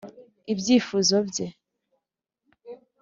ibyifuzo bye,